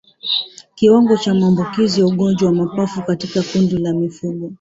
Kiwango cha maambukizi ya ugonjwa wa mapafu katika kundi la mifugo